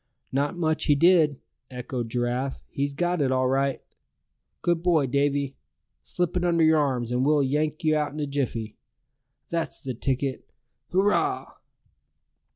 "Not much he did!" echoed Giraffe; "he's got it all right! Good boy, Davy! Slip it under your arms, and we'll yank you out in a jiffy! That's the ticket! Hurrah!"